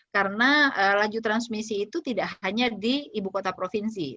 karena laju transmisi itu tidak hanya di ibu kota provinsi